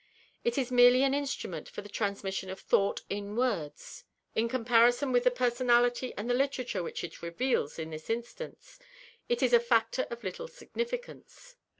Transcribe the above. It is merely an instrument for the transmission of thought in words. In comparison with the personality and the literature which it reveals in this instance, it is a factor of little significance.